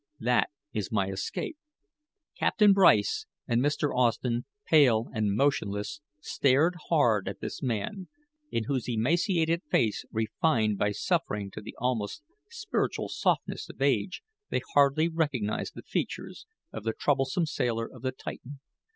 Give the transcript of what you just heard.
That is my escape." Captain Bryce and Mr. Austen, pale and motionless, stared hard at this man, in whose emaciated face, refined by suffering to the almost spiritual softness of age, they hardly recognized the features of the troublesome sailor of the Titan.